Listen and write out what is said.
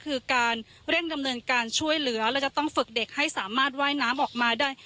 คือการเร่งดำเนินการช่วยเหลือและจะต้องฝึกเด็กให้สามารถว่ายน้ำออกมาได้